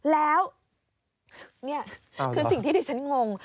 แล้วนี่คือสิ่งที่ดิฉันงง